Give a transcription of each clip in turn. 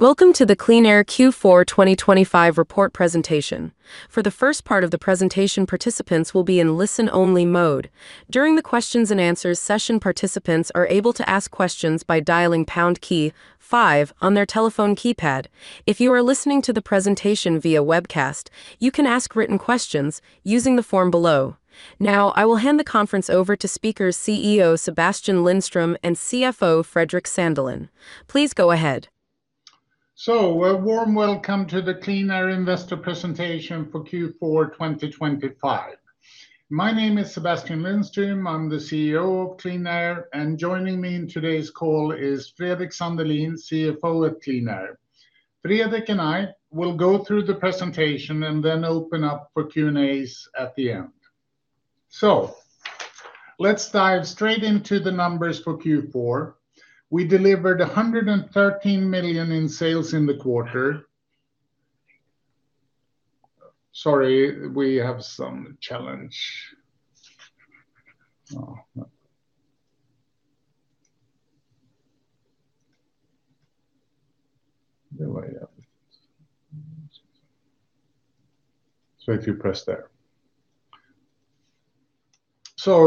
Welcome to the QleanAir Q4 2025 report presentation. For the first part of the presentation, participants will be in listen-only mode. During the questions and answers session, participants are able to ask questions by dialing pound key five on their telephone keypad. If you are listening to the presentation via webcast, you can ask written questions using the form below. Now, I will hand the conference over to speakers, CEO Sebastian Lindström, and CFO Fredrik Sandelin. Please go ahead. So a warm welcome to the QleanAir Investor presentation for Q4 2025. My name is Sebastian Lindström. I'm the CEO of QleanAir, and joining me in today's call is Fredrik Sandelin, CFO at QleanAir. Fredrik and I will go through the presentation, and then open up for Q&As at the end. So let's dive straight into the numbers for Q4. We delivered 113 million in sales in the quarter. Sorry, we have some challenge. So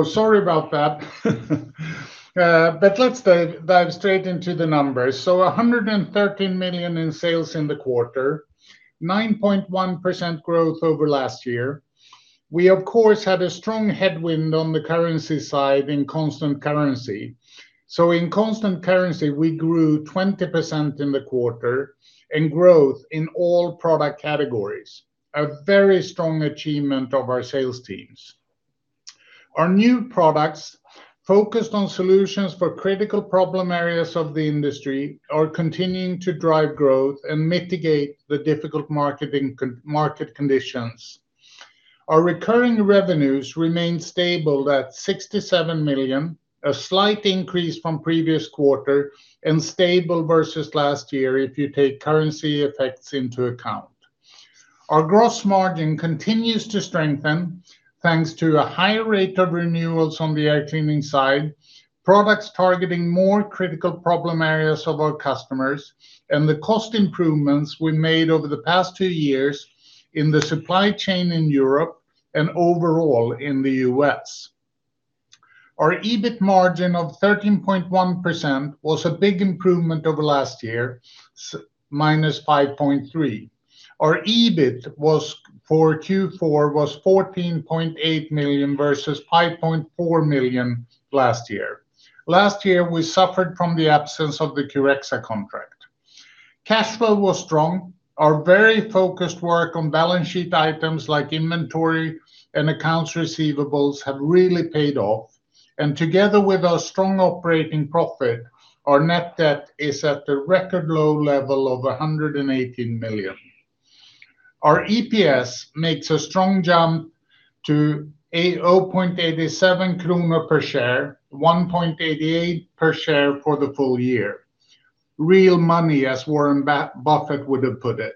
sorry about that. But let's dive straight into the numbers. So 113 million in sales in the quarter, 9.1% growth over last year. We, of course, had a strong headwind on the currency side in constant currency. In constant currency, we grew 20% in the quarter, and growth in all product categories, a very strong achievement of our sales teams. Our new products, focused on solutions for critical problem areas of the industry, are continuing to drive growth and mitigate the difficult market conditions. Our recurring revenues remain stable at 67 million, a slight increase from previous quarter, and stable versus last year if you take currency effects into account. Our gross margin continues to strengthen, thanks to a high rate of renewals on the air cleaning side, products targeting more critical problem areas of our customers, and the cost improvements we made over the past two years in the supply chain in Europe and overall in the U.S. Our EBIT margin of 13.1% was a big improvement over last year, -5.3%. Our EBIT was, for Q4, 14.8 million versus 5.4 million last year. Last year, we suffered from the absence of the Curexa contract. Cash flow was strong. Our very focused work on balance sheet items like inventory and accounts receivables has really paid off, and together with our strong operating profit, our net debt is at a record low level of 118 million Our EPS makes a strong jump to 0.87 kronor per share, 1.88 per share for the full year. Real money, as Warren Buffett would have put it.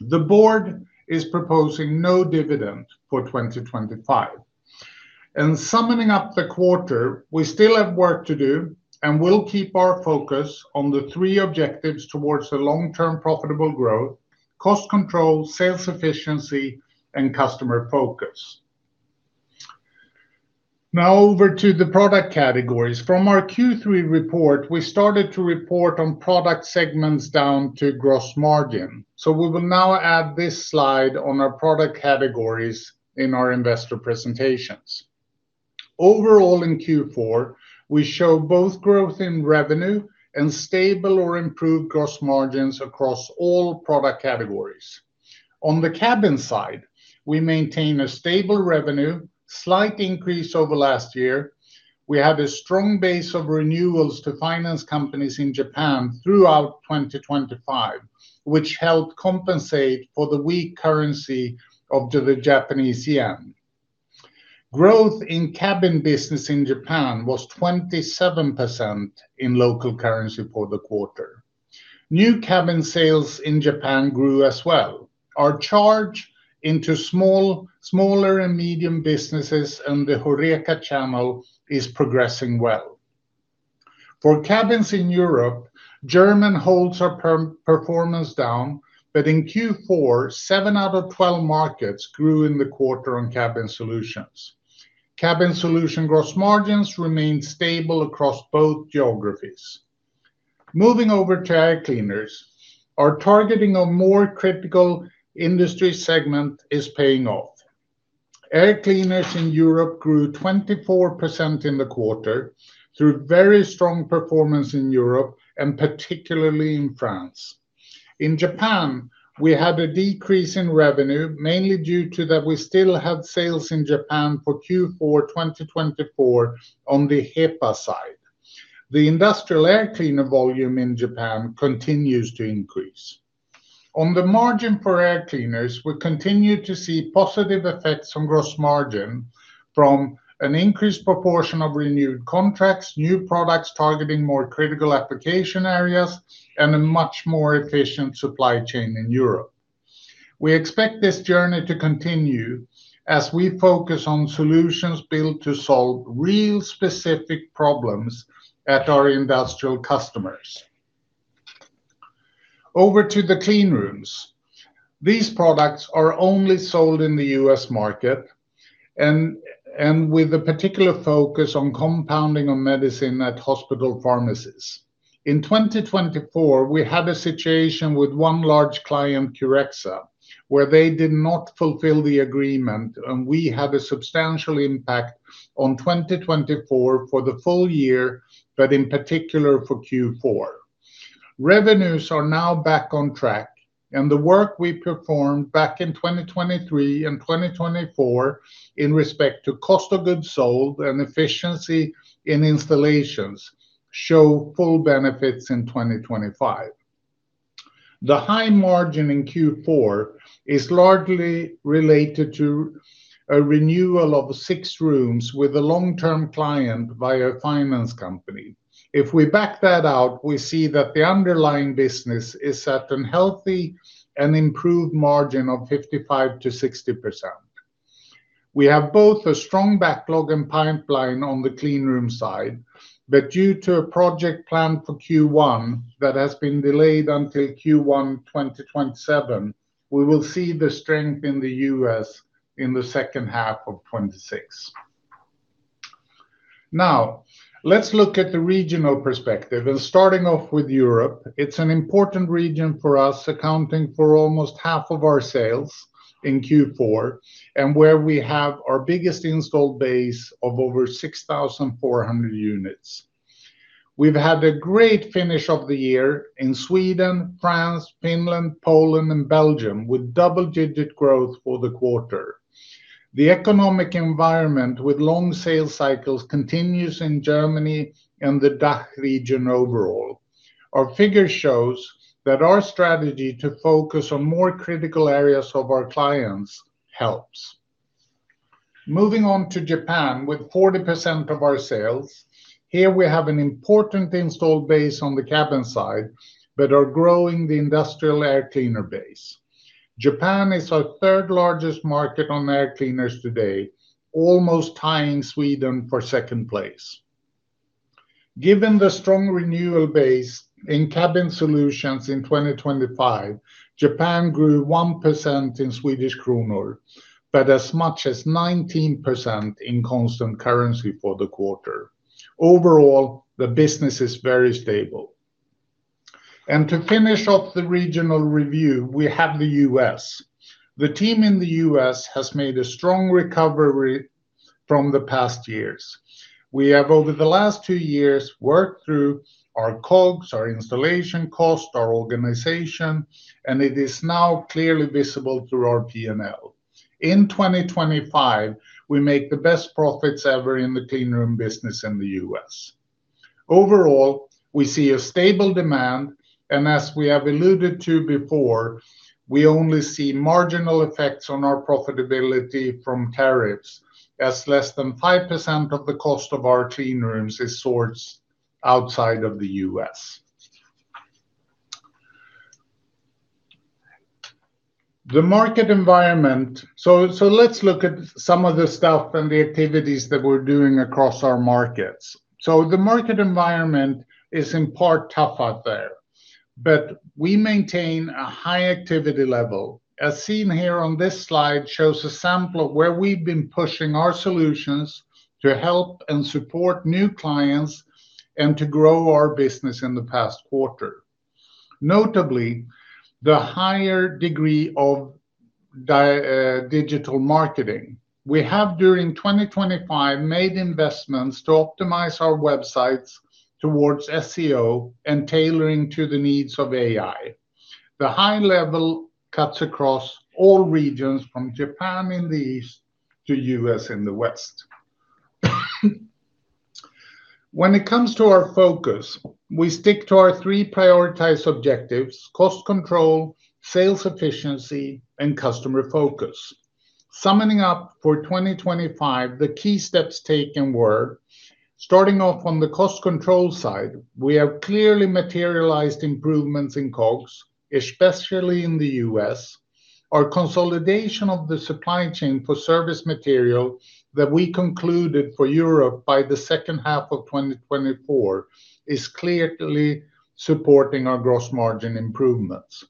The board is proposing no dividend for 2025. In summing up the quarter, we still have work to do, and we'll keep our focus on the three objectives towards the long-term profitable growth: cost control, sales efficiency, and customer focus. Now, over to the product categories. From our Q3 report, we started to report on product segments down to gross margin, so we will now add this slide on our product categories in our investor presentations. Overall, in Q4, we show both growth in revenue and stable or improved gross margins across all product categories. On the cabin side, we maintain a stable revenue, slight increase over last year. We have a strong base of renewals to finance companies in Japan throughout 2025, which helped compensate for the weak currency of the Japanese yen. Growth in cabin business in Japan was 27% in local currency for the quarter. New cabin sales in Japan grew as well. Our charge into smaller and medium businesses and the HoReCa channel is progressing well. For cabins in Europe, Germany holds our performance down, but in Q4, 7 out of 12 markets grew in the quarter on cabin solutions. Cabin solution gross margins remained stable across both geographies. Moving over to air cleaners, our targeting of more critical industry segment is paying off. Air cleaners in Europe grew 24% in the quarter through very strong performance in Europe and particularly in France. In Japan, we had a decrease in revenue, mainly due to that we still had sales in Japan for Q4 2024 on the HEPA side. The industrial air cleaner volume in Japan continues to increase. On the margin for air cleaners, we continue to see positive effects on gross margin from an increased proportion of renewed contracts, new products targeting more critical application areas, and a much more efficient supply chain in Europe. We expect this journey to continue as we focus on solutions built to solve real specific problems at our industrial customers. Over to the cleanrooms. These products are only sold in the U.S. market, and with a particular focus on compounding on medicine at hospital pharmacies. In 2024, we had a situation with one large client, Curexa, where they did not fulfill the agreement, and we had a substantial impact on 2024 for the full year, but in particular, for Q4. Revenues are now back on track, and the work we performed back in 2023 and 2024 in respect to cost of goods sold and efficiency in installations, show full benefits in 2025. The high margin in Q4 is largely related to a renewal of six rooms with a long-term client via a finance company. If we back that out, we see that the underlying business is at a healthy and improved margin of 55%-60%. We have both a strong backlog and pipeline on the clean room side, but due to a project plan for Q1 that has been delayed until Q1 2027, we will see the strength in the U.S. in the second half of 2026. Now, let's look at the regional perspective, and starting off with Europe, it's an important region for us, accounting for almost half of our sales in Q4, and where we have our biggest installed base of over 6,400 units. We've had a great finish of the year in Sweden, France, Finland, Poland, and Belgium, with double-digit growth for the quarter. The economic environment with long sales cycles continues in Germany and the DACH region overall. Our figure shows that our strategy to focus on more critical areas of our clients helps. Moving on to Japan with 40% of our sales. Here, we have an important installed base on the cabin side, but are growing the industrial air cleaner base. Japan is our third-largest market on air cleaners today, almost tying Sweden for second place. Given the strong renewal base in cabin solutions in 2025, Japan grew 1% in Swedish kronor, but as much as 19% in constant currency for the quarter. Overall, the business is very stable. And to finish up the regional review, we have the U.S. The team in the U.S. has made a strong recovery from the past years. We have, over the last 2 years, worked through our COGS, our installation cost, our organization, and it is now clearly visible through our P&L. In 2025, we make the best profits ever in the clean room business in the U.S. Overall, we see a stable demand, and as we have alluded to before, we only see marginal effects on our profitability from tariffs, as less than 5% of the cost of our clean rooms is sourced outside of the U.S. The market environment. So, so let's look at some of the stuff and the activities that we're doing across our markets. So the market environment is, in part, tough out there, but we maintain a high activity level. As seen here on this slide, shows a sample of where we've been pushing our solutions to help and support new clients and to grow our business in the past quarter. Notably, the higher degree of digital marketing. We have, during 2025, made investments to optimize our websites towards SEO and tailoring to the needs of AI. The high level cuts across all regions, from Japan in the East to U.S. in the West. When it comes to our focus, we stick to our three prioritized objectives: cost control, sales efficiency, and customer focus. Summing up for 2025, the key steps taken were, starting off on the cost control side, we have clearly materialized improvements in COGS, especially in the U.S. Our consolidation of the supply chain for service material that we concluded for Europe by the second half of 2024 is clearly supporting our gross margin improvements.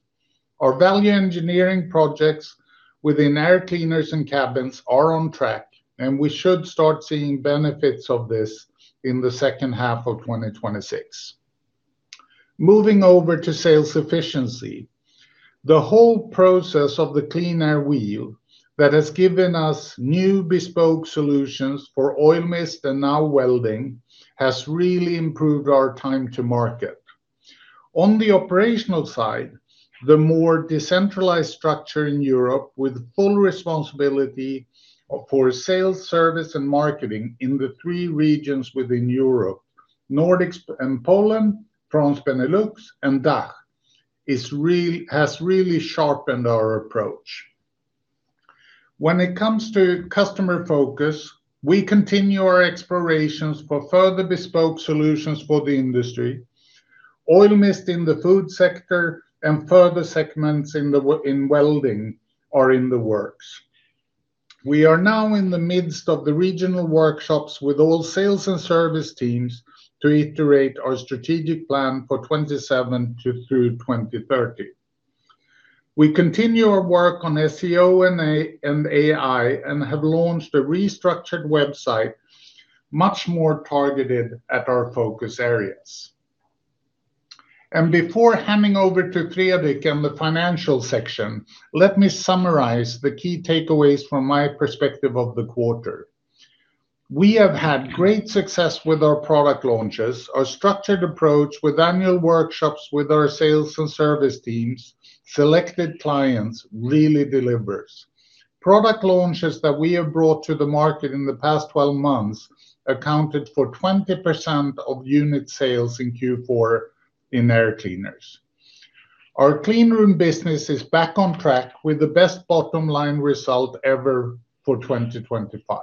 Our value engineering projects within air cleaners and cabins are on track, and we should start seeing benefits of this in the second half of 2026. Moving over to sales efficiency, the whole process of the QleanAir Wheel that has given us new bespoke solutions for oil mist and now welding, has really improved our time to market. On the operational side, the more decentralized structure in Europe, with full responsibility for sales, service, and marketing in the three regions within Europe, Nordics and Poland, France, Benelux, and DACH, has really sharpened our approach. When it comes to customer focus, we continue our explorations for further bespoke solutions for the industry. Oil mist in the food sector and further segments in welding are in the works. We are now in the midst of the regional workshops with all sales and service teams to iterate our strategic plan for 2027 through 2030. We continue our work on SEO and AI, and have launched a restructured website, much more targeted at our focus areas. Before handing over to Fredrik in the financial section, let me summarize the key takeaways from my perspective of the quarter. We have had great success with our product launches. Our structured approach with annual workshops with our sales and service teams, selected clients really delivers. Product launches that we have brought to the market in the past 12 months accounted for 20% of unit sales in Q4 in air cleaners. Our cleanroom business is back on track with the best bottom line result ever for 2025.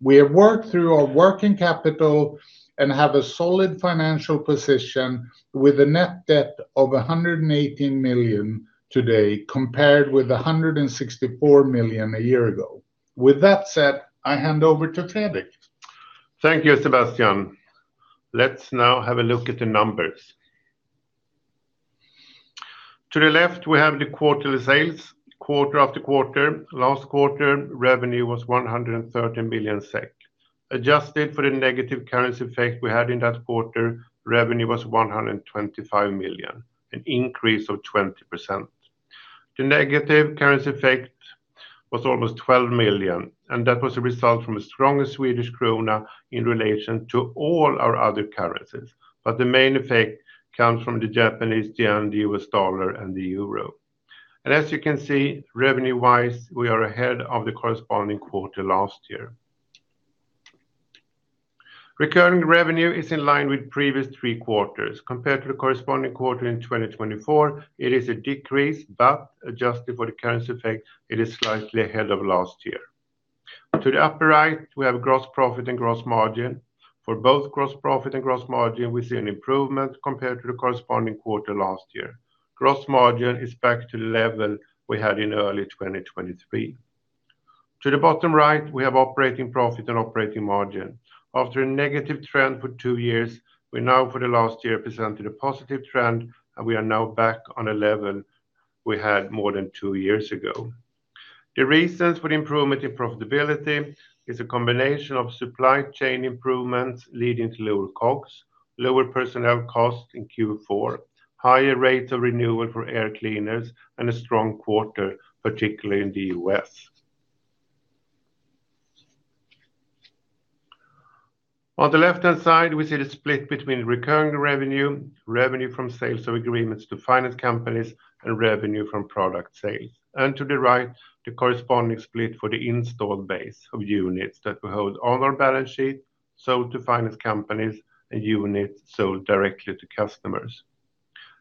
We have worked through our working capital and have a solid financial position with a net debt of 118 million today, compared with 164 million a year ago. With that said, I hand over to Fredrik. Thank you, Sebastian. Let's now have a look at the numbers. To the left, we have the quarterly sales, quarter after quarter. Last quarter, revenue was 113 million SEK. Adjusted for the negative currency effect we had in that quarter, revenue was 125 million, an increase of 20%. The negative currency effect was almost 12 million, and that was a result from a stronger Swedish krona in relation to all our other currencies. But the main effect comes from the Japanese yen, the U.S. dollar, and the euro. And as you can see, revenue-wise, we are ahead of the corresponding quarter last year. Recurring revenue is in line with previous three quarters. Compared to the corresponding quarter in 2024, it is a decrease, but adjusted for the currency effect, it is slightly ahead of last year. To the upper right, we have gross profit and gross margin. For both gross profit and gross margin, we see an improvement compared to the corresponding quarter last year. Gross margin is back to the level we had in early 2023. To the bottom right, we have operating profit and operating margin. After a negative trend for two years, we now, for the last year, presented a positive trend, and we are now back on a level we had more than two years ago. The reasons for the improvement in profitability is a combination of supply chain improvements, leading to lower COGS, lower personnel costs in Q4, higher rates of renewal for air cleaners, and a strong quarter, particularly in the U.S. On the left-hand side, we see the split between recurring revenue, revenue from sales of agreements to finance companies, and revenue from product sales. To the right, the corresponding split for the installed base of units that we hold on our balance sheet, sold to finance companies, and units sold directly to customers.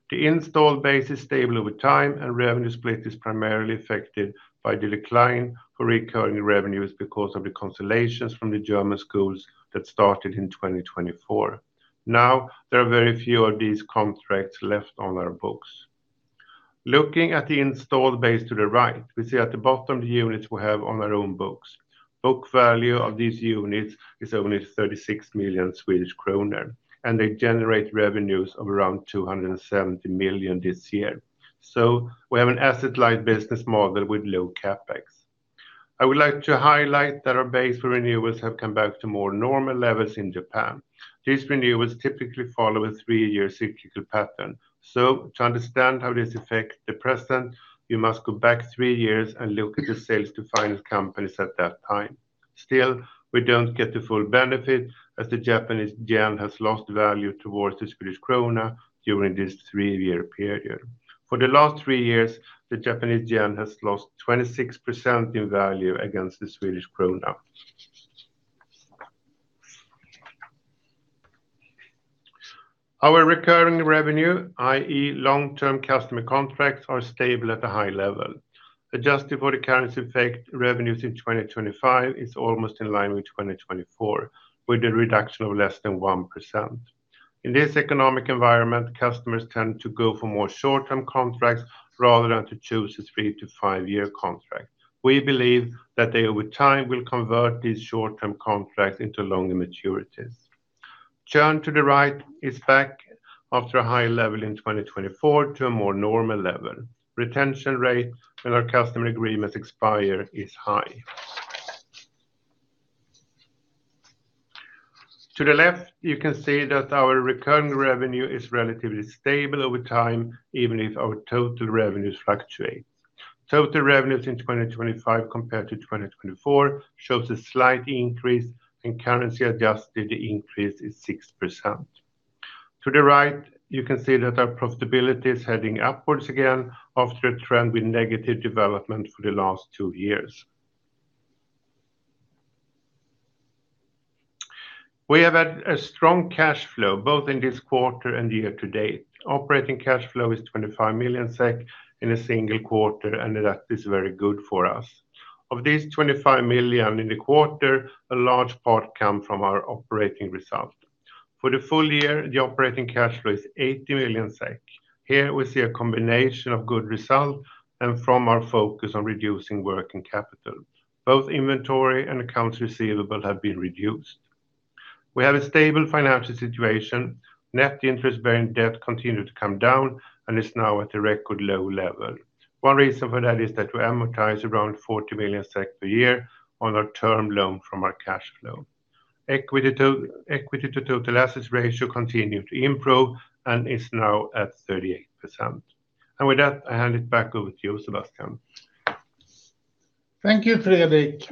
The installed base is stable over time, and revenue split is primarily affected by the decline for recurring revenues because of the consolidations from the German schools that started in 2024. Now, there are very few of these contracts left on our books. Looking at the installed base to the right, we see at the bottom the units we have on our own books. Book value of these units is only 36 million Swedish kronor, and they generate revenues of around 270 million this year. So we have an asset-light business model with low CapEx. I would like to highlight that our base for renewals have come back to more normal levels in Japan. These renewals typically follow a 3-year cyclical pattern. So to understand how this affect the present, you must go back 3 years and look at the sales to finance companies at that time. Still, we don't get the full benefit, as the Japanese yen has lost value towards the Swedish krona during this 3-year period. For the last 3 years, the Japanese yen has lost 26% in value against the Swedish krona. Our recurring revenue, i.e., long-term customer contracts, are stable at a high level. Adjusted for the currency effect, revenues in 2025 is almost in line with 2024, with a reduction of less than 1%. In this economic environment, customers tend to go for more short-term contracts rather than to choose a 3- to 5-year contract. We believe that they, over time, will convert these short-term contracts into longer maturities. Churn to the right is back after a high level in 2024 to a more normal level. Retention rate when our customer agreements expire is high. To the left, you can see that our recurring revenue is relatively stable over time, even if our total revenues fluctuate. Total revenues in 2025 compared to 2024 shows a slight increase, and currency adjusted, the increase is 6%. To the right, you can see that our profitability is heading upwards again after a trend with negative development for the last 2 years. We have had a strong cash flow, both in this quarter and year to date. Operating cash flow is 25 million SEK in a single quarter, and that is very good for us. Of these 25 million in the quarter, a large part come from our operating result. For the full year, the operating cash flow is 80 million SEK. Here we see a combination of good result and from our focus on reducing working capital. Both inventory and accounts receivable have been reduced. We have a stable financial situation. Net interest-bearing debt continued to come down and is now at a record low level. One reason for that is that we amortize around 40 million SEK per year on our term loan from our cash flow. Equity to, equity to total assets ratio continue to improve and is now at 38%. And with that, I hand it back over to you, Sebastian. Thank you, Fredrik.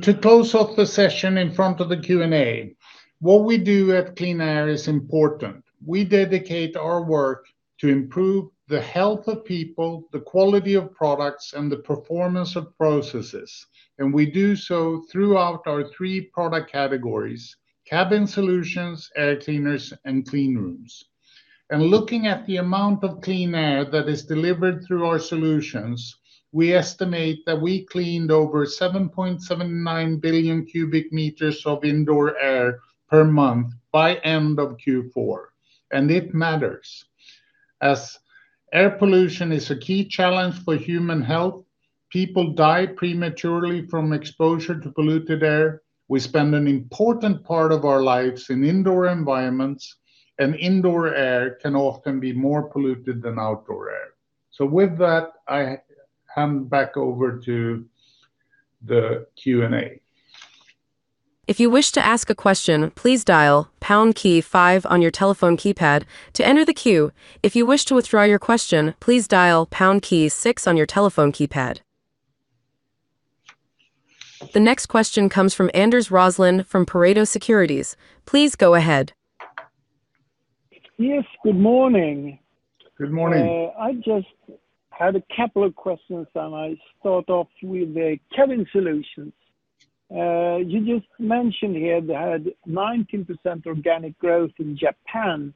To close off the session in front of the Q&A, what we do at QleanAir is important. We dedicate our work to improve the health of people, the quality of products, and the performance of processes, and we do so throughout our three product categories: cabin solutions, air cleaners, and clean rooms. Looking at the amount of clean air that is delivered through our solutions, we estimate that we cleaned over 7.79 billion cubic meters of indoor air per month by end of Q4, and it matters. As air pollution is a key challenge for human health, people die prematurely from exposure to polluted air. We spend an important part of our lives in indoor environments, and indoor air can often be more polluted than outdoor air. With that, I hand back over to the Q&A. If you wish to ask a question, please dial pound key five on your telephone keypad to enter the queue. If you wish to withdraw your question, please dial pound key six on your telephone keypad. The next question comes from Anders Roslund from Pareto Securities. Please go ahead. Yes, good morning. Good morning. I just had a couple of questions, and I start off with the cabin solutions. You just mentioned here they had 19% organic growth in Japan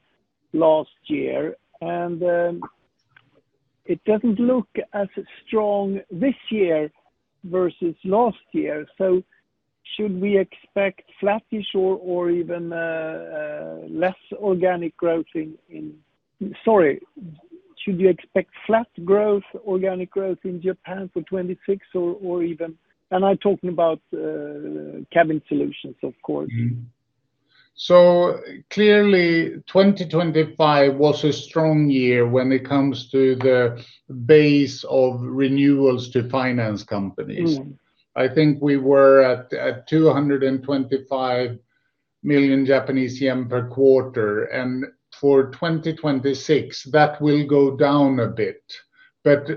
last year, and it doesn't look as strong this year versus last year. So should we expect flattish or, or even less organic growth in, sorry, should we expect flat growth, organic growth in Japan for 2026 or, or even? And I'm talking about cabin solutions, of course. Clearly, 2025 was a strong year when it comes to the base of renewals to finance companies. I think we were at 225 million Japanese yen per quarter, and for 2026, that will go down a bit. But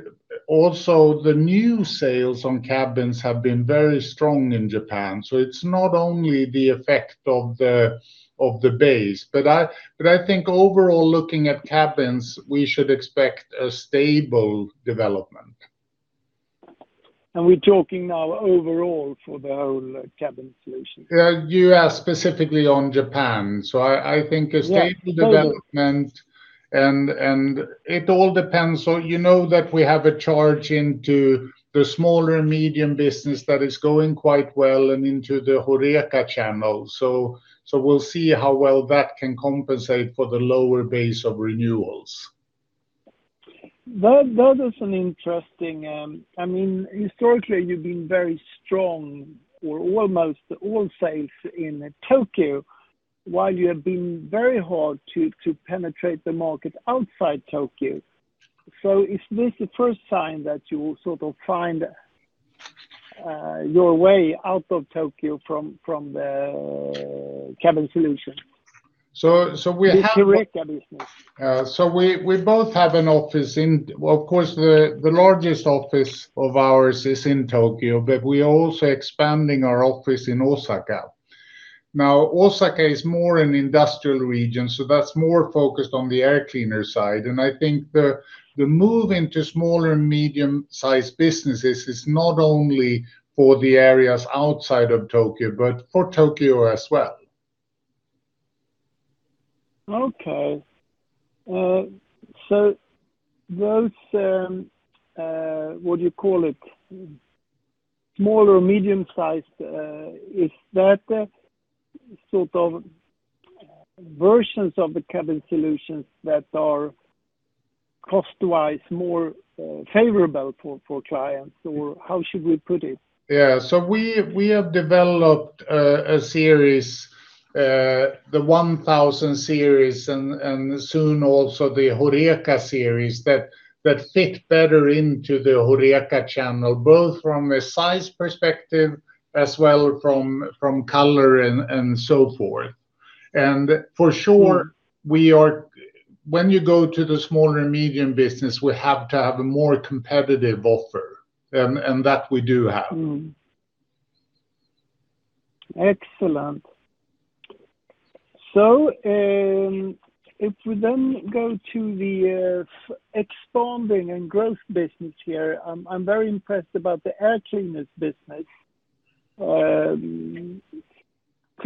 also, the new sales on cabins have been very strong in Japan, so it's not only the effect of the base. But I think overall, looking at cabins, we should expect a stable development. We're talking now overall for the whole cabin solution? You asked specifically on Japan, so I think a stable development, and it all depends on, so you know that we have a charge into the smaller and medium business that is going quite well and into the HoReCa channel. So, we'll see how well that can compensate for the lower base of renewals. That is an interesting, I mean, historically, you've been very strong or almost all sales in Tokyo, while you have been very hard to penetrate the market outside Tokyo. So is this the first sign that you sort of find your way out of Tokyo from the cabin solution? So, we have- The HoReCa business. So we both have an office in, of course, the largest office of ours is in Tokyo, but we're also expanding our office in Osaka. Now, Osaka is more an industrial region, so that's more focused on the air cleaner side, and I think the move into smaller and medium-sized businesses is not only for the areas outside of Tokyo, but for Tokyo as well. Okay. So those, what you call it? Small or medium-sized, is that the sort of versions of the cabin solutions that are cost-wise, more favorable for, for clients? Or how should we put it? Yeah. So we have developed a series, the 1000 series and soon also the HoReCa series, that fit better into the HoReCa channel, both from a size perspective as well from color and so forth. And for sure, when you go to the smaller and medium business, we have to have a more competitive offer, and that we do have. Excellent. So, if we then go to the expanding and growth business here, I'm very impressed about the air cleaners business. Could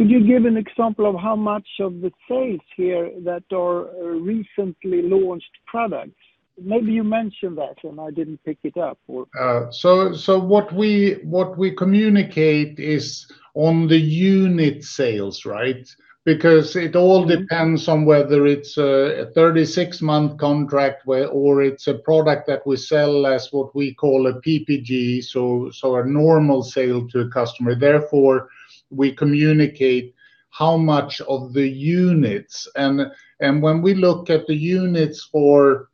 you give an example of how much of the sales here that are recently launched products? Maybe you mentioned that, and I didn't pick it up or- So, what we communicate is on the unit sales, right? Because it all depends on whether it's a 36-month contract or it's a product that we sell as what we call a PPG, so a normal sale to a customer. Therefore, we communicate how much of the units. And when we look at the units for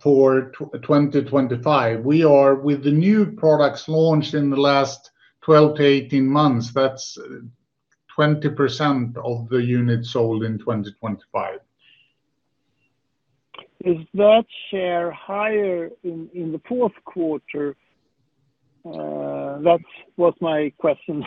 2025, we are with the new products launched in the last 12-18 months, that's 20% of the units sold in 2025. Is that share higher in the fourth quarter? That was my question.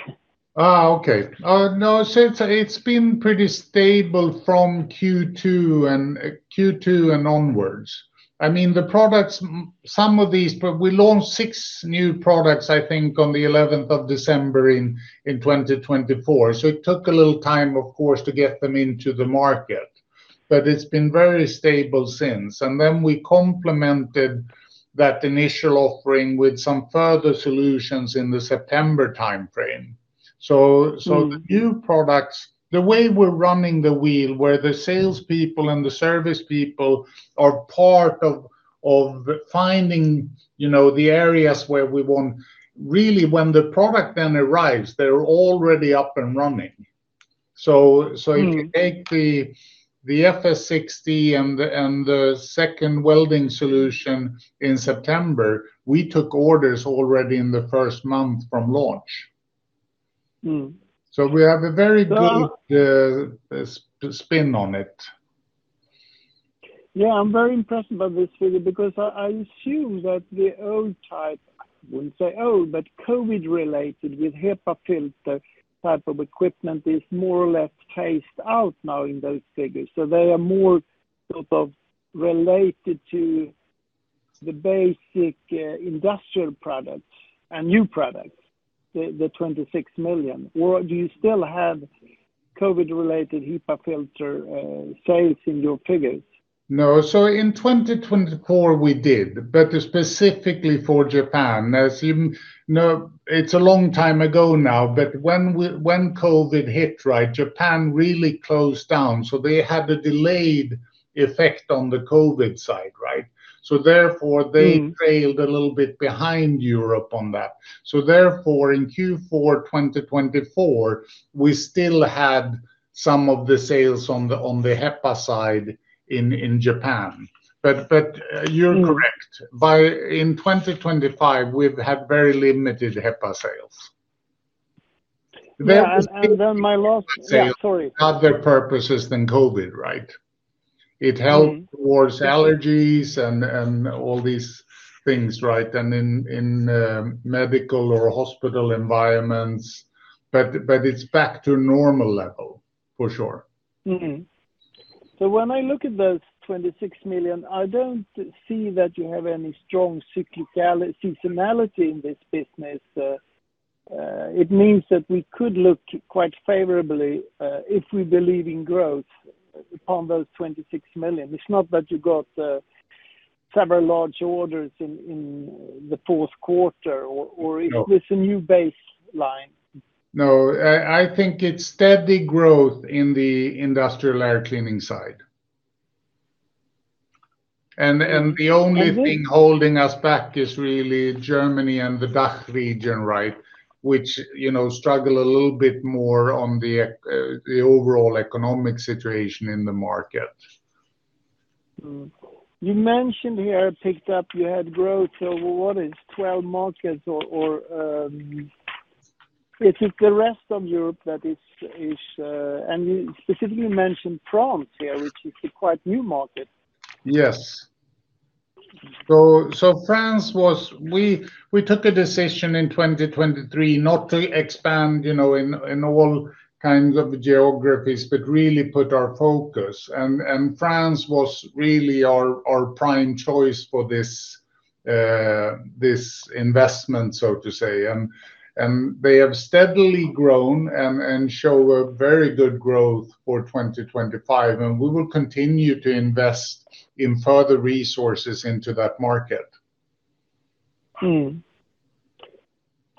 Ah, okay. No, since it's been pretty stable from Q2 and onwards. I mean, the products, some of these, but we launched 6 new products, I think, on December 11th in 2024. So it took a little time, of course, to get them into the market, but it's been very stable since. And then we complemented that initial offering with some further solutions in the September timeframe. So the new products, the way we're running the wheel, where the salespeople and the service people are part of finding, you know, the areas where we want. Really, when the product then arrives, they're already up and running. So if you take the FS 60 and the second welding solution in September, we took orders already in the first month from launch. So we have a very good- Well- Spin on it. Yeah, I'm very impressed by this figure, because I, I assume that the old type, I wouldn't say old, but COVID-related, with HEPA filter type of equipment, is more or less phased out now in those figures. So they are more sort of related to the basic, industrial products and new products, the 26 million. Or do you still have COVID-related HEPA filter sales in your figures? No. So in 2024, we did, but specifically for Japan. As you know, it's a long time ago now, but when COVID hit, right, Japan really closed down, so they had a delayed effect on the COVID side, right? So therefore, they trailed a little bit behind Europe on that. So therefore, in Q4, 2024, we still had some of the sales on the HEPA side in Japan. But you're correct. In 2025, we've had very limited HEPA sales. Yeah, and then my last- Yeah. Yeah, sorry. Other purposes than COVID, right? Mm-hmm. It helped towards allergies and all these things, right, and in medical or hospital environments, but it's back to normal level, for sure. So when I look at those 26 million, I don't see that you have any strong cyclicality, seasonality in this business. It means that we could look quite favorably if we believe in growth upon those 26 million. It's not that you got several large orders in the fourth quarter or it's a new baseline. No, I think it's steady growth in the industrial air cleaning side. And the only thing holding us back is really Germany and the DACH region, right? Which, you know, struggle a little bit more on the overall economic situation in the market. You mentioned here, I picked up, you had growth. So what is 12 markets or is it the rest of Europe that is. And you specifically mentioned France here, which is a quite new market. Yes. So, we took a decision in 2023 not to expand, you know, in all kinds of geographies, but really put our focus, and France was really our prime choice for this investment, so to say. And they have steadily grown and show a very good growth for 2025, and we will continue to invest in further resources into that market. So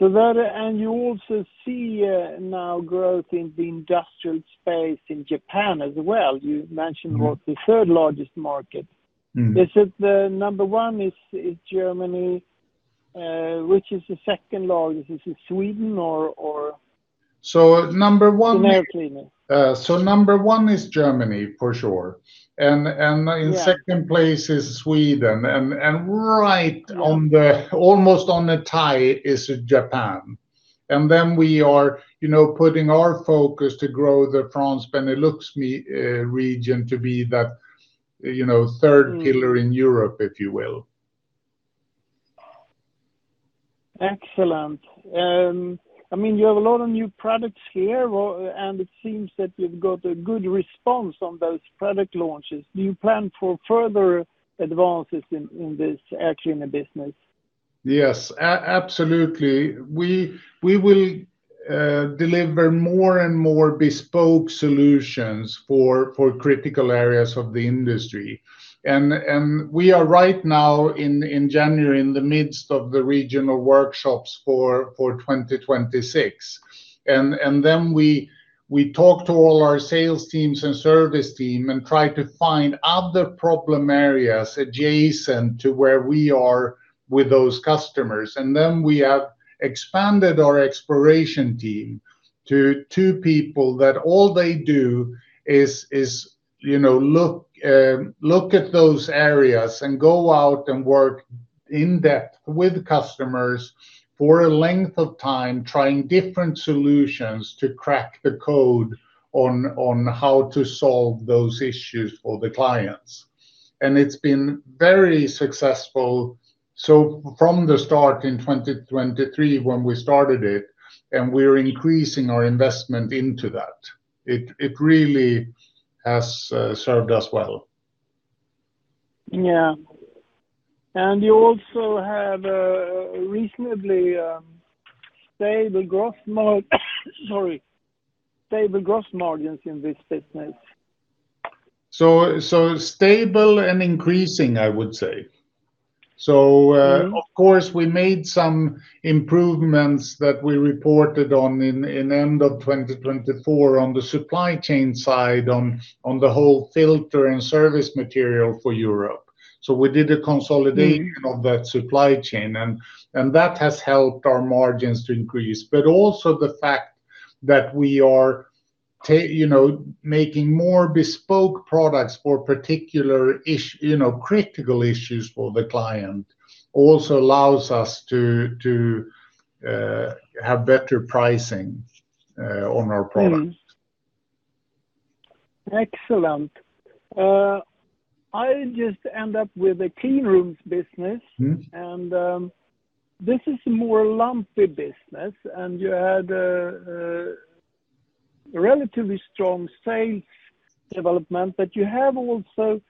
that, and you also see now growth in the industrial space in Japan as well. You mentioned was the third largest market. Mm. This is the number one is Germany, which is the second largest, is it Sweden or? Number one, so number one is Germany, for sure. Yeah In second place is Sweden, and right on almost on a tie is Japan. And then we are, you know, putting our focus to grow the France, Benelux region to be that, you know, third pillar in Europe, if you will. Excellent. I mean, you have a lot of new products here, well, and it seems that you've got a good response on those product launches. Do you plan for further advances in this, actually, in the business? Yes, absolutely. We will deliver more and more bespoke solutions for critical areas of the industry. And we are right now in January, in the midst of the regional workshops for 2026. And then we talk to all our sales teams and service team, and try to find other problem areas adjacent to where we are with those customers. And then we have expanded our exploration team to two people that all they do is, you know, look at those areas and go out and work in depth with customers for a length of time, trying different solutions to crack the code on how to solve those issues for the clients. And it's been very successful. From the start in 2023, when we started it, and we're increasing our investment into that, it really has served us well. Yeah. And you also have a reasonably, stable growth mode, sorry, stable growth margins in this business. So, so stable and increasing, I would say. So, of course, we made some improvements that we reported on in end of 2024 on the supply chain side, on the whole filter and service material for Europe. So we did a consolidation of that supply chain, and that has helped our margins to increase. But also the fact that we are you know, making more bespoke products for particular you know, critical issues for the client, also allows us to have better pricing on our products. Excellent. I just end up with the clean rooms business. And this is a more lumpy business, and you had a relatively strong sales development, but you have also,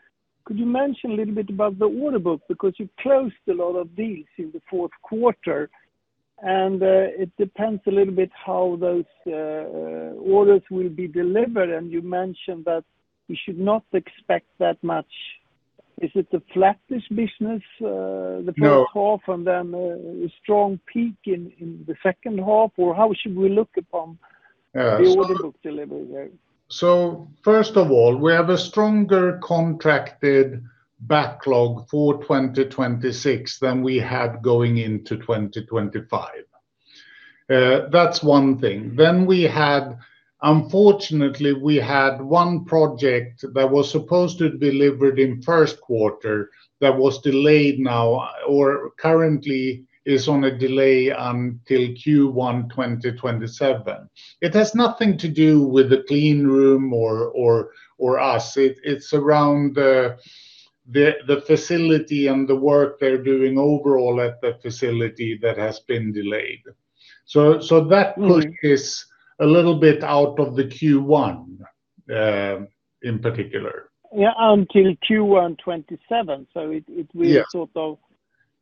could you mention a little bit about the order book? Because you closed a lot of these in the fourth quarter, and it depends a little bit how those orders will be delivered. And you mentioned that we should not expect that much. Is it the flattest business? No. The first half, and then a strong peak in the second half, or how should we look upon- Uh, so- The order book delivery there? So first of all, we have a stronger contracted backlog for 2026 than we had going into 2025. That's one thing. Then we had, unfortunately, we had one project that was supposed to delivered in first quarter that was delayed now, or currently is on a delay until Q1 2027. It has nothing to do with the clean room or us. It's around the facility and the work they're doing overall at the facility that has been delayed. So that thing is a little bit out of the Q1, in particular. Yeah, until Q1 2027. So it, it will sort of-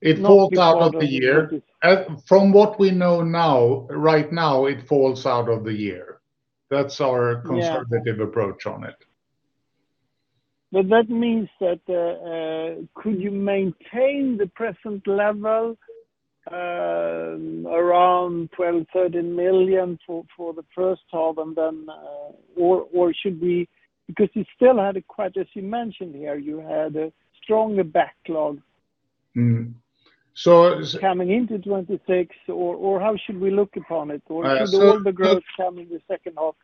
It falls out of the year. Uh, just- From what we know now, right now, it falls out of the year. That's our conservative approach on it. But that means that could you maintain the present level around 12 million-13 million for the first half, and then, or should we because you still had it quite, as you mentioned here, you had a stronger backlog coming into 2026, or, or how should we look upon it? Uh, so- Or should all the growth come in the second half?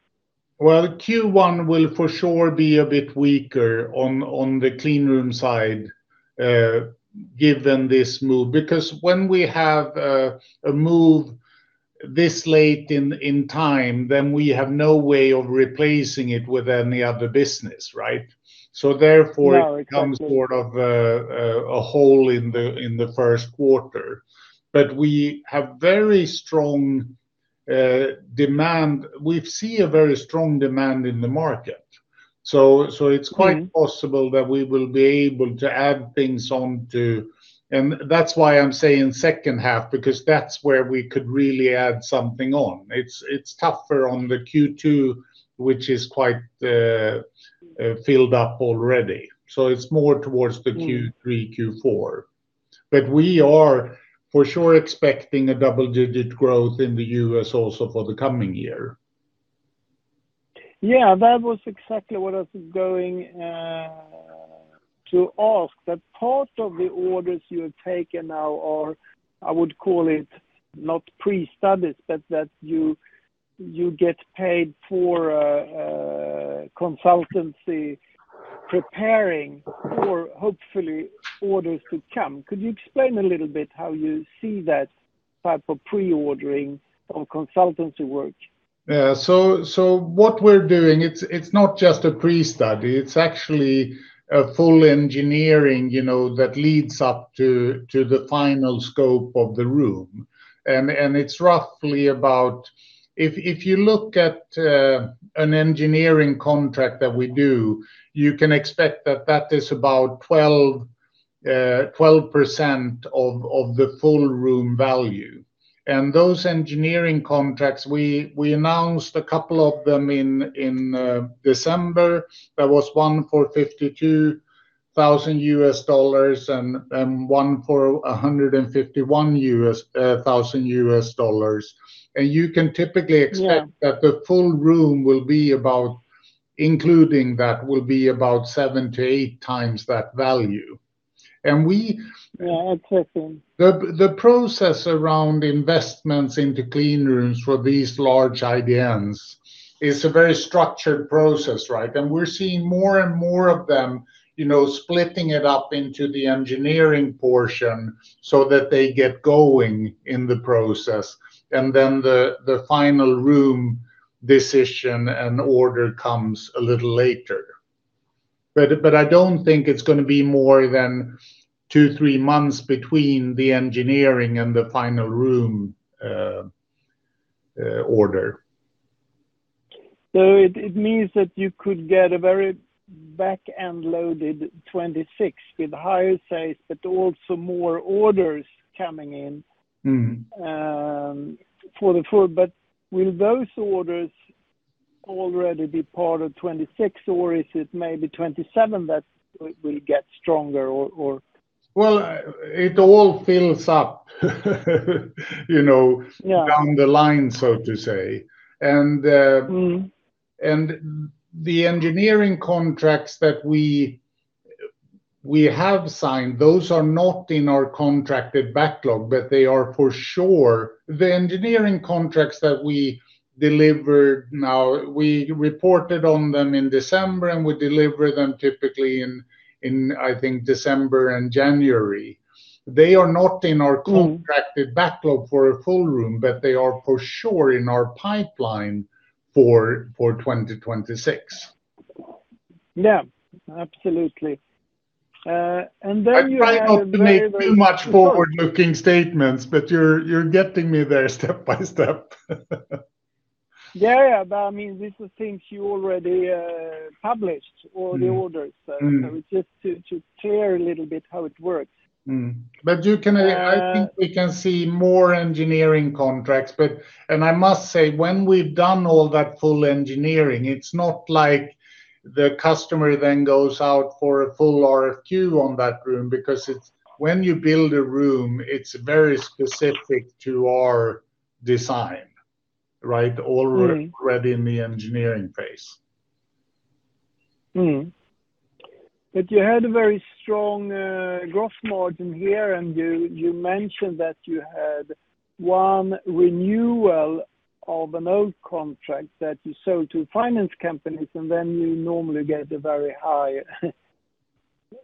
Well, Q1 will for sure be a bit weaker on the clean room side, given this move. Because when we have a move this late in time, then we have no way of replacing it with any other business, right? So therefore- Yeah, exactly. It becomes sort of a hole in the first quarter. But we have very strong demand. We've seen a very strong demand in the market. So it's quite possible that we will be able to add things on to, and that's why I'm saying second half, because that's where we could really add something on. It's tougher on the Q2, which is quite filled up already, so it's more towards the Q3, Q4. But we are for sure expecting a double-digit growth in the U.S. also for the coming year. Yeah, that was exactly what I was going to ask, that part of the orders you have taken now, or I would call it, not pre-studies, but that you, you get paid for, consultancy preparing for, hopefully, orders to come. Could you explain a little bit how you see that type of pre-ordering or consultancy work? Yeah, so what we're doing, it's not just a pre-study, it's actually a full engineering, you know, that leads up to the final scope of the room. And it's roughly about-- if you look at an engineering contract that we do, you can expect that that is about 12% of the full room value. And those engineering contracts, we announced a couple of them in December. There was one for $52,000 and one for $151,000. And you can typically expect that the full room will be about, including that, will be about 7-8 times that value. And we- Yeah, interesting. The process around investments into clean rooms for these large IDNs is a very structured process, right? And we're seeing more and more of them, you know, splitting it up into the engineering portion so that they get going in the process, and then the final room decision and order comes a little later. But I don't think it's gonna be more than 2-3 months between the engineering and the final room order. So it means that you could get a very back-end loaded 2026 with higher sales, but also more orders coming in for the full. But will those orders already be part of 2026, or is it maybe 2027 that will get stronger, or? Well, it all fills up, you know, down the line, so to say. And the engineering contracts that we have signed, those are not in our contracted backlog, but they are for sure. The engineering contracts that we delivered now, we reported on them in December, and we deliver them typically in I think December and January. They are not in our contracted backlog for a full room, but they are for sure in our pipeline for 2026. Yeah, absolutely. And then you have a very, very- I try not to make too much forward-looking statements, but you're, you're getting me there step by step. Yeah, but I mean, these are things you already published, all the orders. Mm, mm. So it's just to clear a little bit how it works. But you can- Uh- I think we can see more engineering contracts. But, and I must say, when we've done all that full engineering, it's not like the customer then goes out for a full RFQ on that room, because it's, when you build a room, it's very specific to our design, right? Mm. Already in the engineering phase. But you had a very strong, gross margin here, and you, you mentioned that you had one renewal of an old contract that you sold to finance companies, and then you normally get a very high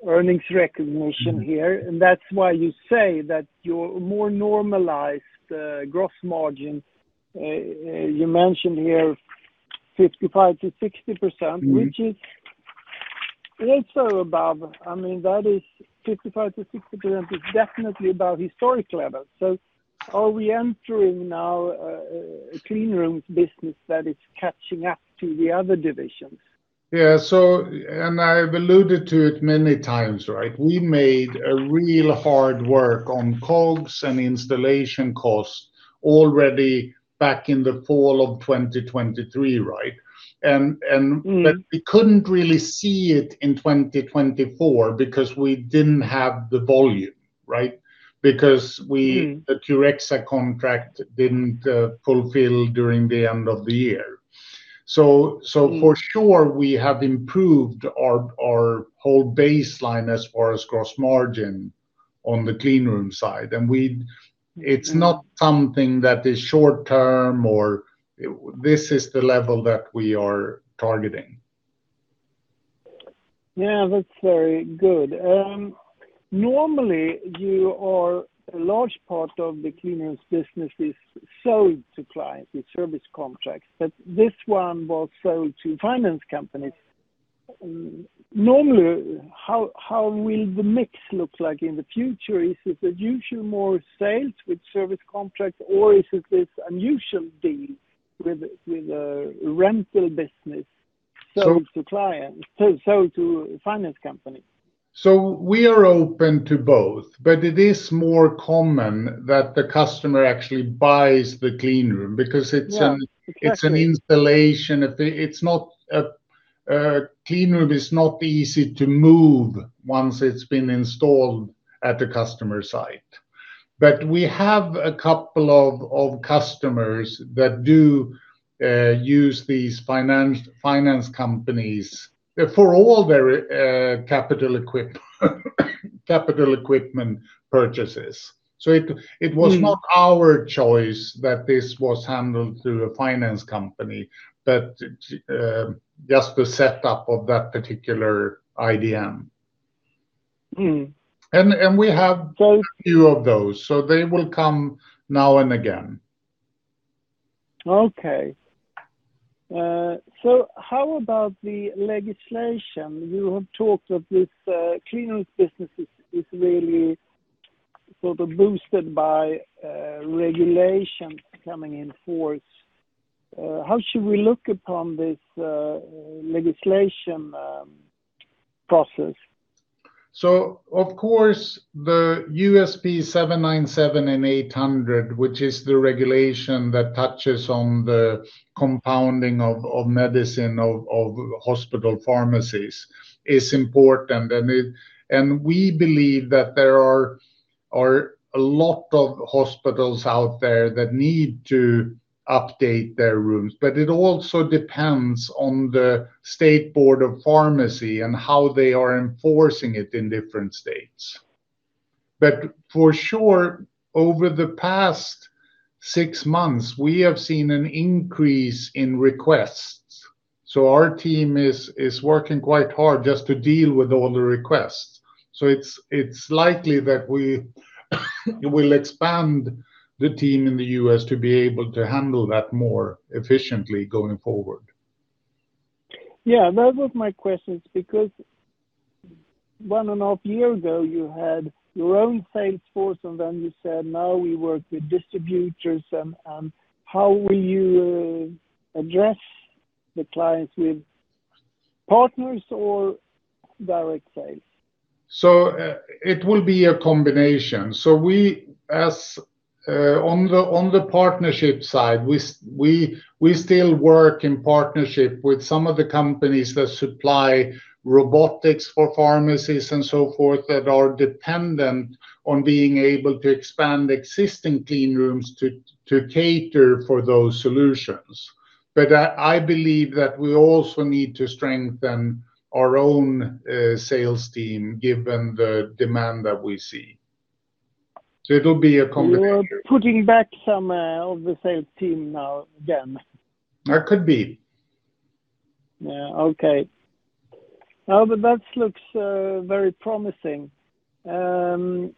earnings recognition here. That's why you say that your more normalized gross margin you mentioned here 55%-60%. Which is also above, I mean, that is 55%-60% is definitely above historic levels. So are we entering now a clean rooms business that is catching up to the other divisions? Yeah. So, and I've alluded to it many times, right? We made a real hard work on COGS and installation costs already back in the fall of 2023, right? But we couldn't really see it in 2024 because we didn't have the volume, right? Because we- Mm The Curexa contract didn't fulfill during the end of the year. So, for sure, we have improved our whole baseline as far as gross margin on the clean room side, and it's not something that is short term or... This is the level that we are targeting. Yeah, that's very good. Normally, you are a large part of the clean rooms business is sold to clients with service contracts, but this one was sold to finance companies. Normally, how will the mix look like in the future? Is it the usual more sales with service contracts, or is it this unusual deal with a rental business? So- sold to clients, so sold to finance companies? We are open to both, but it is more common that the customer actually buys the cleanroom because it's an- Yeah. Exactly It's an installation. If it's not, a clean room is not easy to move once it's been installed at the customer site. But we have a couple of customers that do use these finance companies for all their capital equipment purchases. So it was not our choice that this was handled through a finance company, but just the setup of that particular IDN. And we have quite a few of those, so they will come now and again. Okay. So how about the legislation? You have talked of this clean room business is really sort of boosted by regulations coming in force. How should we look upon this legislation process? Of course, the USP 797 and 800, which is the regulation that touches on the compounding of medicine of hospital pharmacies, is important. And we believe that there are a lot of hospitals out there that need to update their rooms, but it also depends on the State Board of Pharmacy and how they are enforcing it in different states. But for sure, over the past 6 months, we have seen an increase in requests, so our team is working quite hard just to deal with all the requests. It's likely that we will expand the team in the U.S. to be able to handle that more efficiently going forward. Yeah, that was my questions, because 1.5 years ago, you had your own sales force, and then you said, now we work with distributors, and how will you address the clients with partners or direct sales? So, it will be a combination. So we as, on the partnership side, we, we still work in partnership with some of the companies that supply robotics for pharmacies and so forth, that are dependent on being able to expand existing clean rooms to cater for those solutions. But I, I believe that we also need to strengthen our own sales team, given the demand that we see. So it'll be a combination. You're putting back some of the sales team now again? That could be. Yeah. Okay. Now, but that looks very promising. So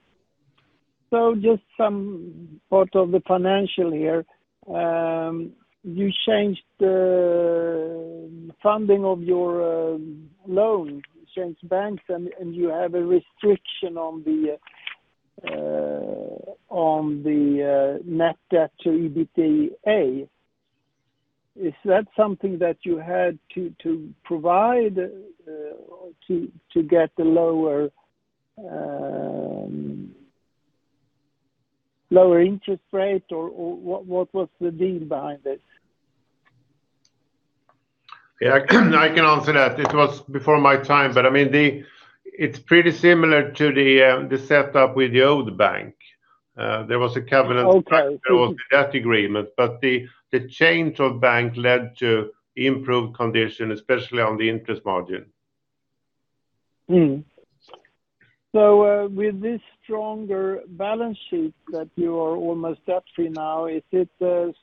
just some part of the financial here. You changed the funding of your loan, you changed banks, and you have a restriction on the net debt to EBITDA. Is that something that you had to provide to get the lower interest rate? Or what was the deal behind it? Yeah, I can answer that. It was before my time, but, I mean, it's pretty similar to the setup with the old bank. There was a covenant with that agreement, but the change of bank led to improved conditions, especially on the interest margin. So, with this stronger balance sheet that you are almost up to now, is it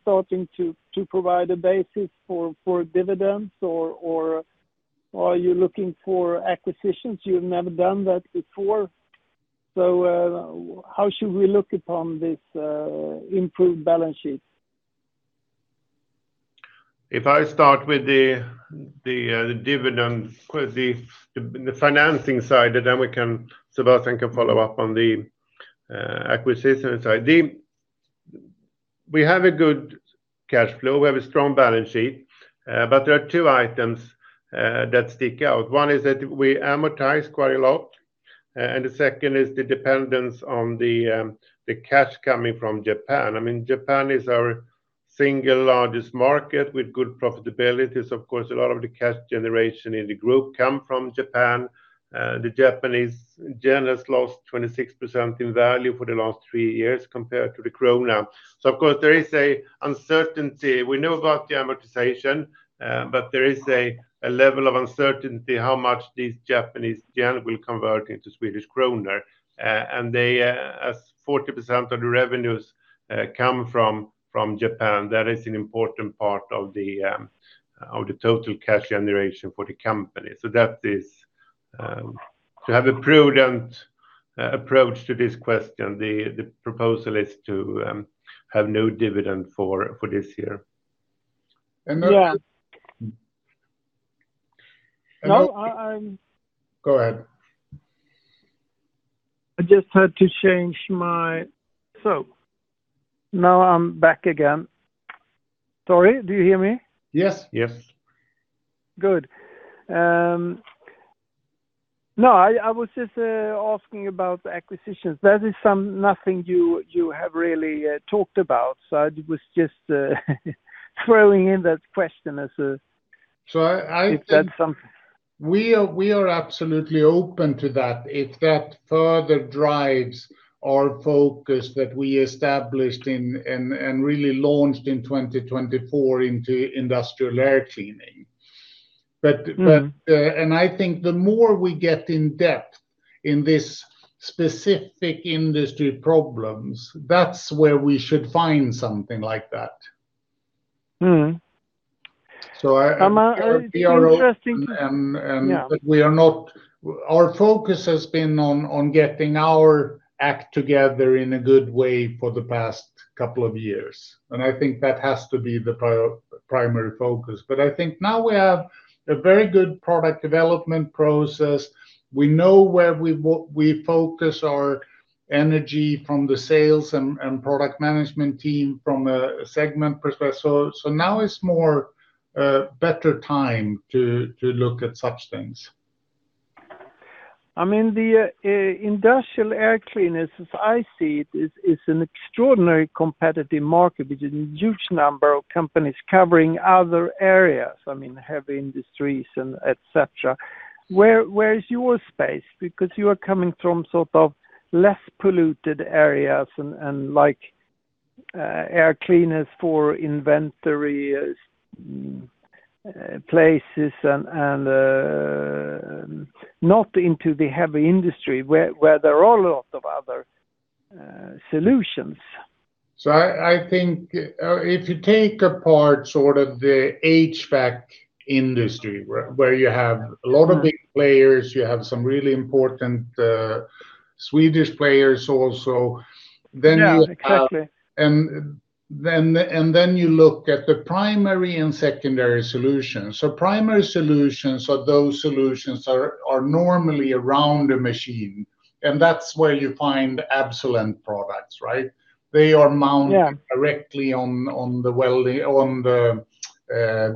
starting to provide a basis for dividends, or are you looking for acquisitions? You've never done that before. So, how should we look upon this improved balance sheet? If I start with the dividend, the financing side, and then we can—Sebastian can follow up on the acquisition side. We have a good cash flow, we have a strong balance sheet, but there are two items that stick out. One is that we amortize quite a lot, and the second is the dependence on the cash coming from Japan. I mean, Japan is our single largest market with good profitability. So of course, a lot of the cash generation in the group come from Japan. The Japanese yen has lost 26% in value for the last three years compared to the krona. So of course, there is a uncertainty. We know about the amortization, but there is a level of uncertainty how much these Japanese yen will convert into Swedish krona. And they, as 40% of the revenues come from Japan, that is an important part of the total cash generation for the company. So, to have a prudent approach to this question, the proposal is to have no dividend for this year. And that- Yeah. And that- No, I Go ahead. I just had to change my, so now I'm back again. Sorry, do you hear me? Yes. Yes. Good. No, I was just asking about the acquisitions. That is something you have really not talked about, so I was just throwing in that question as a- So I... If that's something- We are absolutely open to that, if that further drives our focus that we established in and really launched in 2024 into industrial air cleaning. But, and I think the more we get in depth in this specific industry problems, that's where we should find something like that. Mm-hmm. So I, we are- Interesting. Um, um- Yeah But we are not, our focus has been on getting our act together in a good way for the past couple of years, and I think that has to be the primary focus. But I think now we have a very good product development process. We know where we focus our energy from the sales and product management team from a segment perspective. So now it's more better time to look at such things. I mean, the industrial air cleaners, as I see it, is an extraordinary competitive market with a huge number of companies covering other areas, I mean, heavy industries and et cetera. Where is your space? Because you are coming from sort of less polluted areas and like air cleaners for inventory places and not into the heavy industry where there are a lot of other solutions. So, I think if you take apart sort of the HVAC industry, where you have a lot of big players, you have some really important Swedish players also, then you have- Yeah, exactly. And then you look at the primary and secondary solutions. So primary solutions are those solutions are normally around a machine, and that's where you find Absolent products, right? They are mounted directly on the welding, on the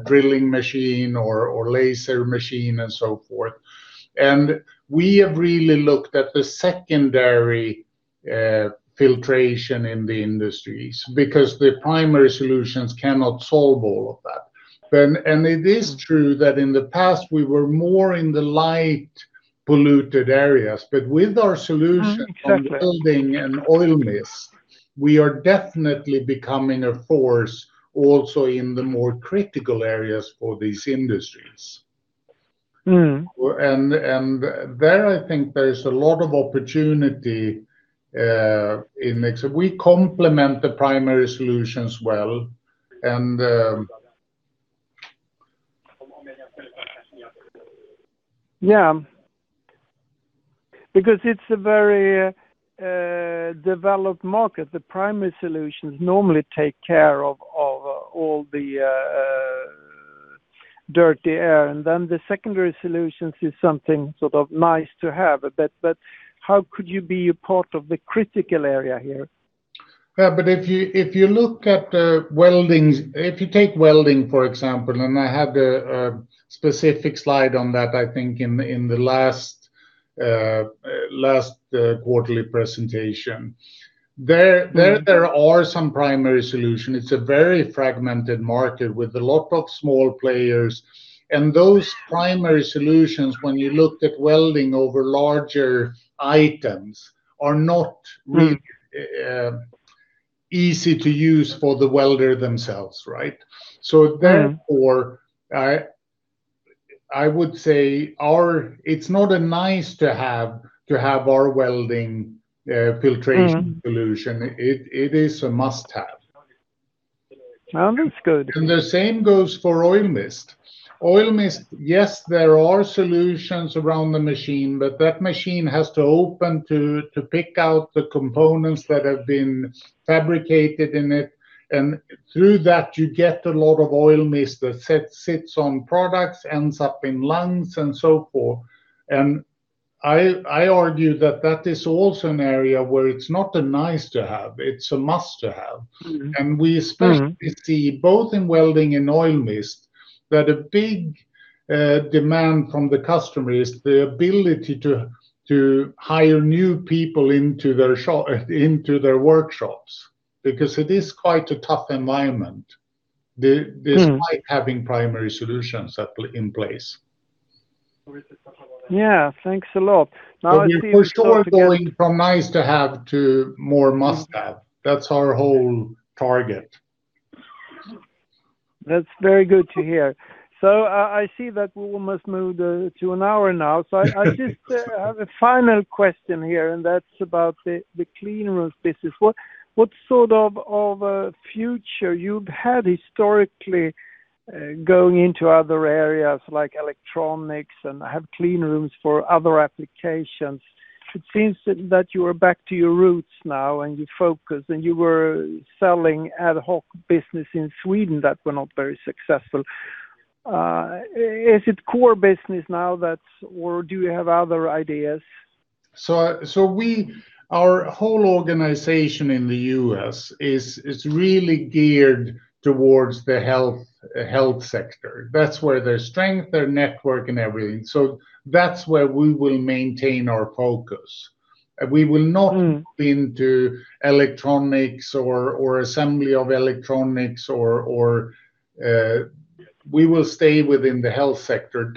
drilling machine or laser machine and so forth. We have really looked at the secondary filtration in the industries because the primary solutions cannot solve all of that. It is true that in the past we were more in the lightly polluted areas, but with our solution- Exactly. On welding and oil mist, we are definitely becoming a force also in the more critical areas for these industries. And there, I think there is a lot of opportunity in mix. We complement the primary solutions well, and- Yeah. Because it's a very developed market. The primary solutions normally take care of all the dirty air, and then the secondary solutions is something sort of nice to have. But how could you be a part of the critical area here? Yeah, but if you look at the welding, if you take welding, for example, and I had a specific slide on that, I think, in the last quarterly presentation. There are some primary solutions. It's a very fragmented market with a lot of small players, and those primary solutions, when you looked at welding over larger items, are not really easy to use for the welder themselves, right? Mm. Therefore, I would say our, it's not a nice to have, to have our welding filtration solution. It is a must-have. Well, that's good. The same goes for oil mist. Oil mist, yes, there are solutions around the machine, but that machine has to open to pick out the components that have been fabricated in it, and through that, you get a lot of oil mist that sits on products, ends up in lungs, and so forth. I argue that that is also an area where it's not a nice to have, it's a must to have. Mm-hmm. We especially see, both in welding and oil mist, that a big demand from the customer is the ability to hire new people into their shop, into their workshops, because it is quite a tough environment, despite having primary solutions in place. Yeah. Thanks a lot. Now I see- But we're for sure going from nice to have to more must have. That's our whole target. That's very good to hear. So I see that we almost moved to an hour now. So I just have a final question here, and that's about the clean rooms business. What sort of future you've had historically, going into other areas like electronics and have clean rooms for other applications? It seems that you are back to your roots now, and you focus, and you were selling ad hoc business in Sweden that were not very successful. Is it core business now, or do you have other ideas? So we, our whole organization in the U.S. is really geared towards the health sector. That's where their strength, their network, and everything, so that's where we will maintain our focus. And we will not into electronics or assembly of electronics, we will stay within the health sector.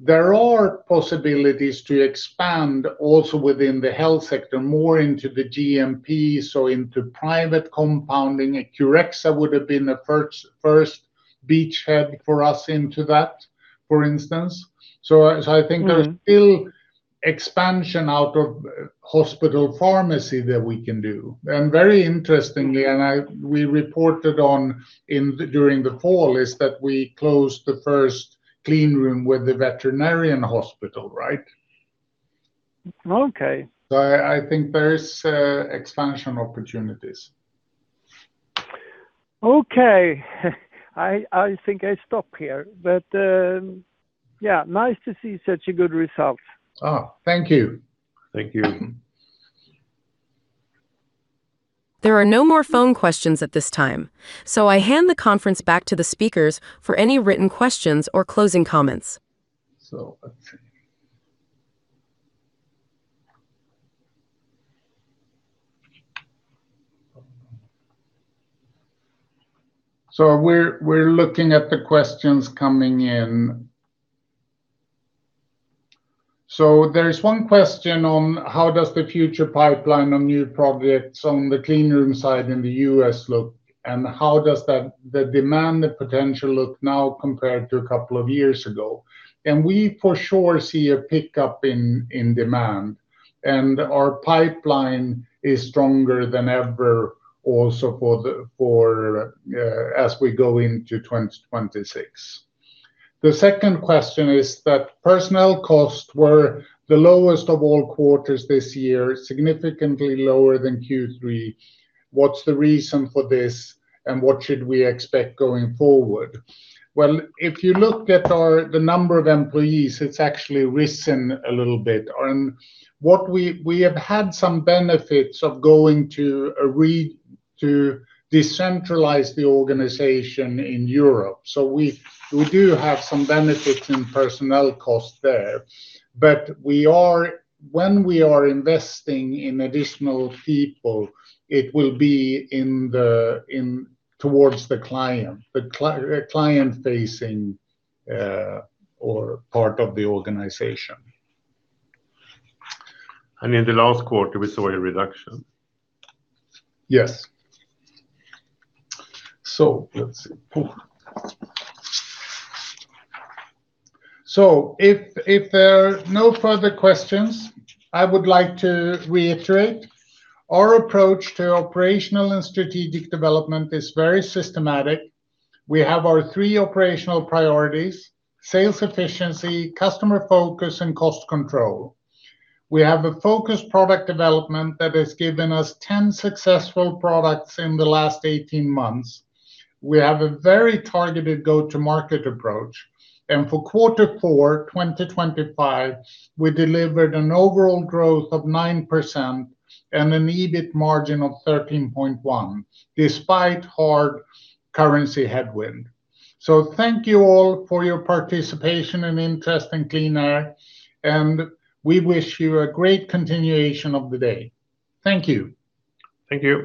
There are possibilities to expand also within the health sector, more into the GMP, so into private compounding. Curexa would have been a first beachhead for us into that for instance. So I think there's still expansion out of hospital pharmacy that we can do. And very interestingly, we reported on during the fall, is that we closed the first clean room with the veterinarian hospital, right? Okay. So I think there is expansion opportunities. Okay. I think I stop here, but yeah, nice to see such a good result. Oh, thank you. Thank you. There are no more phone questions at this time, so I hand the conference back to the speakers for any written questions or closing comments. So we're looking at the questions coming in. So there is one question on: How does the future pipeline on new projects on the clean room side in the U.S. look, and how does the demand potential look now compared to a couple of years ago? And we for sure see a pickup in demand, and our pipeline is stronger than ever also for as we go into 2026. The second question is that personnel costs were the lowest of all quarters this year, significantly lower than Q3. What's the reason for this, and what should we expect going forward? Well, if you look at the number of employees, it's actually risen a little bit. And what we have had some benefits of going to decentralize the organization in Europe. So we do have some benefits in personnel costs there. But when we are investing in additional people, it will be in towards the client-facing or part of the organization. In the last quarter, we saw a reduction. Yes. So let's see. If there are no further questions, I would like to reiterate our approach to operational and strategic development is very systematic. We have our three operational priorities: sales efficiency, customer focus, and cost control. We have a focused product development that has given us 10 successful products in the last 18 months. We have a very targeted go-to-market approach, and for quarter four, 2025, we delivered an overall growth of 9% and an EBIT margin of 13.1%, despite hard currency headwind. So thank you all for your participation and interest in QleanAir, and we wish you a great continuation of the day. Thank you. Thank you.